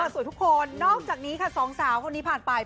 สวยทุกคนนอกจากนี้ค่ะสองสาวคนนี้ผ่านไป